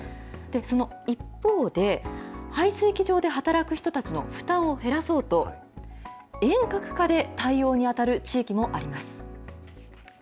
その一方で、排水機場で働く人たちの負担を減らそうと、遠隔化で対応に当たる地域もあります。